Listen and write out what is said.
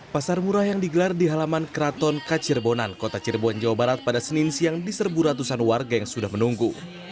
pasar murah yang digelar di halaman keraton kacirbonan kota cirebon jawa barat pada senin siang diserbu ratusan warga yang sudah menunggu